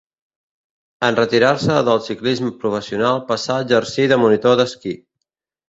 En retirar-se del ciclisme professional passà a exercir de monitor d'esquí.